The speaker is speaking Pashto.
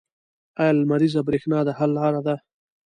آیا لمریزه بریښنا د حل لاره ده؟